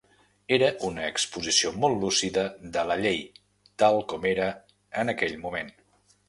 Era una exposició molt lúcida de la llei tal com era en aquell moment.